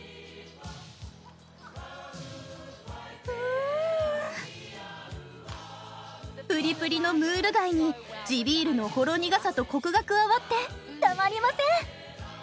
うんプリプリのムール貝に地ビールのほろ苦さとコクが加わってたまりません！